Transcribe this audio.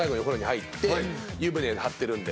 湯船張ってるんで。